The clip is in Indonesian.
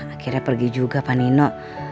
akhirnya pergi juga pak nino